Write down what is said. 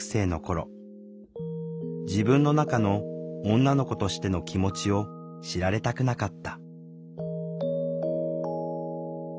自分の中の女の子としての気持ちを知られたくなかった。